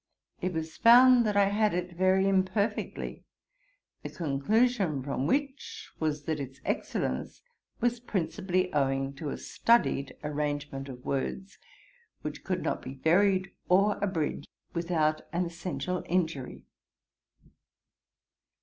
It was found that I had it very imperfectly; the conclusion from which was, that its excellence was principally owing to a studied arrangement of words, which could not be varied or abridged without an essential injury.